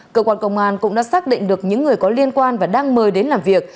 cơ quan công an cũng đã xác định được những người có liên quan và đang mời đến làm việc